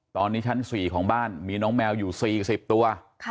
ตอนนี้ชั้น๔ของบ้านมีน้องแมวอยู่๔๐ตัว